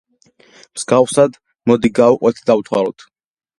მსგავსად, მოდი გავყვეთ და დავთვალოთ.